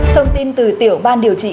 thông tin từ tiểu ban điều trị